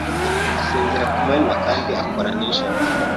Asinzira ku manywa kandi akora nijoro.